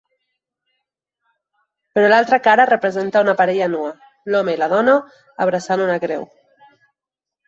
Però l'altra cara representa una parella nua, l'home i la dona abraçant una creu.